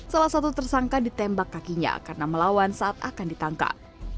salah satu tersangka ditembak kakinya karena melawan saat akan ditangkap